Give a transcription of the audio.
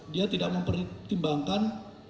dia tidak mempertimbangkan